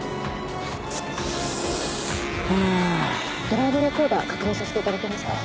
ドライブレコーダー確認させて頂けますか？